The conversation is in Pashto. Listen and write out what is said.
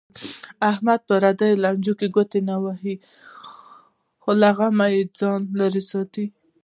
احمد په پردیو لانجو کې ګوتې نه وهي. له غم نه ځان لرې ساتي.